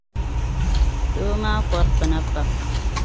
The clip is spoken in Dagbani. Doo maa kɔri pina pam.